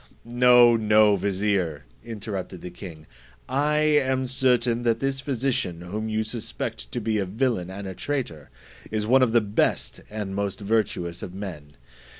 "No, no, vizier," interrupted the king; "I am certain, that this physician, whom you suspect to be a villain and a traitor, is one of the best and most virtuous of men.